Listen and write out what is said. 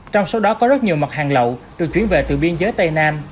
trong số đó có rất nhiều mặt hàng lậu được chuyển về từ biên giới tây nam